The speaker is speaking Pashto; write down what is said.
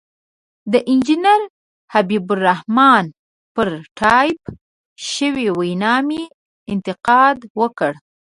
د انجنیر حبیب الرحمن پر ټایپ شوې وینا مې انتقاد وکړ.